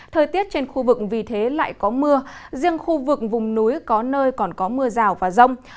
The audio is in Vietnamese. thời tiết trên khu vực vì thế lại có mưa riêng khu vực vùng núi có nơi còn có mưa rào và rông